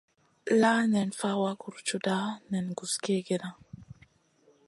La nen fawa gurjuda nen guss kegena.